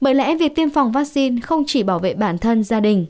bởi lẽ việc tiêm phòng vaccine không chỉ bảo vệ bản thân gia đình